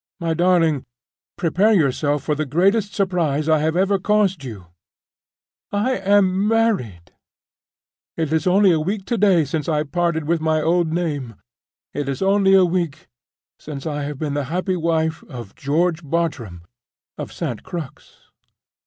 "My darling, prepare yourself for the greatest surprise I have ever caused you. I am married. It is only a week to day since I parted with my old name—it is only a week since I have been the happy wife of George Bartram, of St. Crux.